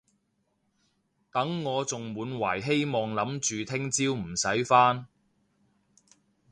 等我仲滿懷希望諗住聽朝唔使返